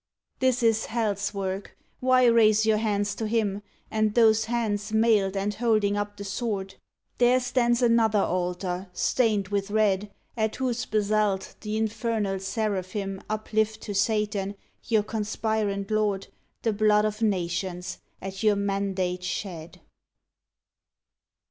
This is Hell s work: why raise your hands to Him, And those hands mailed, and holding up the sword? There stands another altar, stained with red, At whose basalt the infernal seraphim Uplift to Satan, your conspirant lord, The blood of nations, at your mandate shed.